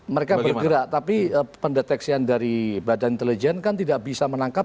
mereka bergerak tapi pendeteksian dari badan intelijen kan tidak bisa menangkap